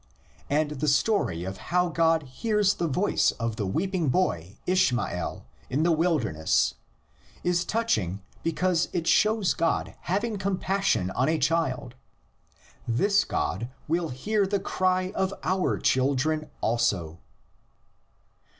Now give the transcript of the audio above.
and the story of how God hears the voice of the weeping boy Ishmael in the wilderness is touch ing because it shows God having compassion on a child: this God will hear the cry of our children also!